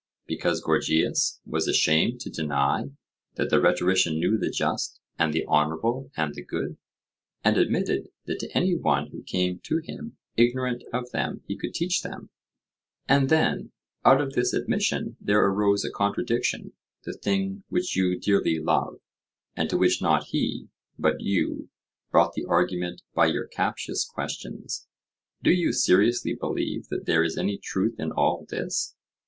because Gorgias was ashamed to deny that the rhetorician knew the just and the honourable and the good, and admitted that to any one who came to him ignorant of them he could teach them, and then out of this admission there arose a contradiction—the thing which you dearly love, and to which not he, but you, brought the argument by your captious questions—(do you seriously believe that there is any truth in all this?)